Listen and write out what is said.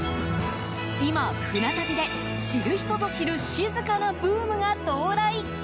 今、船旅で、知る人ぞ知る静かなブームが到来。